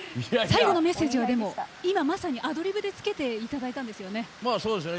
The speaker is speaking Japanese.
最後のメッセージは今、まさにアドリブでつけていただいたんですよね。